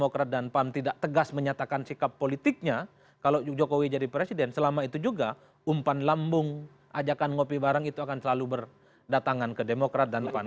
demokrat dan pan tidak tegas menyatakan sikap politiknya kalau jokowi jadi presiden selama itu juga umpan lambung ajakan ngopi bareng itu akan selalu berdatangan ke demokrat dan pan